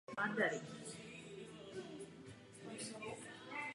Zemřel náhle na zápal plic.